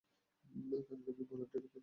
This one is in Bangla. কারণ, আমি ভলান্টিয়ারিং করছি।